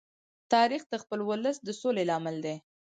تاریخ د خپل ولس د سولې لامل دی.